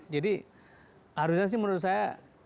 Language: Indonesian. jadi harusnya sih menurut saya